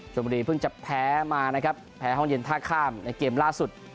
บุรีเพิ่งจะแพ้มานะครับแพ้ห้องเย็นท่าข้ามในเกมล่าสุด